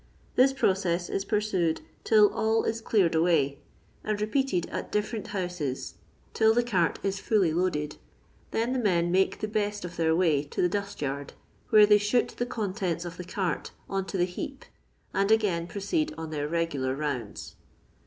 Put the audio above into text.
This process is pursued till all is dsared away, and repeated at di£&rent houses till the cart is fully loaded ; then the men make the best of their way to the dust yard, where they shoot the contents of the cart on to the heap, and again proceed on their regular rounds.